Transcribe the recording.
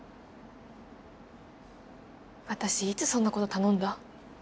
私いつそんな事頼んだ？